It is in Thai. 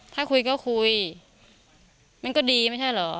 ถ้าคุยก็คุยมันก็ดีไม่ใช่เหรอ